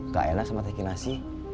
gak enak sama teki nasi